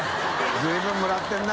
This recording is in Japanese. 随分もらってるな！